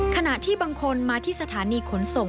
ขณะที่บางคนมาที่สถานีขนส่ง